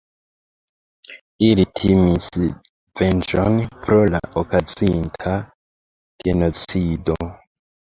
Ili timis venĝon pro la okazinta genocido.